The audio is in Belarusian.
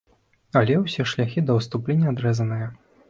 Але ўсе шляхі да адступлення адрэзаныя.